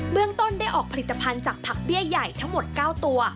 เรื่องต้นได้ออกผลิตภัณฑ์จากผักเบี้ยใหญ่ทั้งหมด๙ตัว